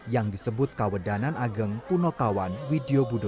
yang disebut kawedanan ageng punokawan widyo budo